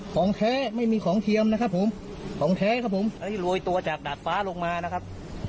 ของแท้ไม่มีของเทียมนะครับผมของแท้ครับผมอันนี้โรยตัวจากดาดฟ้าลงมานะครับ